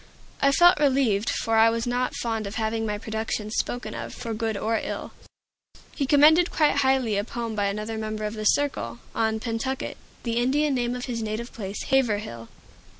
I felt relieved; for I was not fond of having my productions spoken of, for good or ill. He commended quite highly a poem by another member of the Circle, on "Pentucket," the Indian name of his native place, Haverhill.